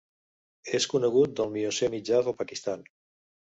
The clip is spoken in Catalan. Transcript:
És conegut del Miocè mitjà del Pakistan.